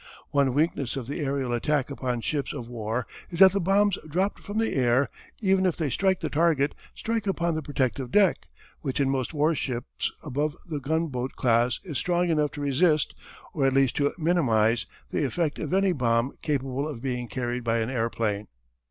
One weakness of the aërial attack upon ships of war is that the bombs dropped from the air, even if they strike the target, strike upon the protective deck which in most warships above the gunboat class is strong enough to resist, or at least to minimize, the effect of any bomb capable of being carried by an airplane.